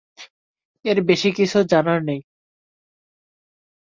এর বেশি কিছু জানার নেই।